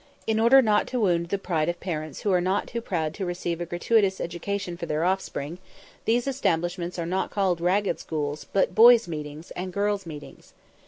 In order not to wound the pride of parents who are not too proud to receive a gratuitous education for their offspring, these establishments are not called Ragged Schools, but "Boys' Meetings," and "Girls' Meetings."